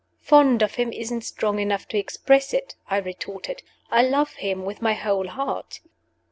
"Fond of him isn't strong enough to express it," I retorted. "I love him with my whole heart."